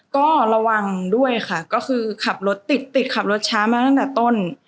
ก็ระวังด้วยค่ะก็คือขับรถติดติดขับรถช้ามาตั้งแต่ต้น